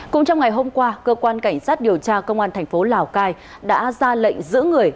cũng trong ngày hôm qua cơ quan cảnh sát điều tra công an thành phố lào cai đã ra lệnh giữ người